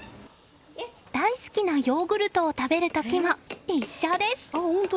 大好きなヨーグルトを食べる時も一緒です！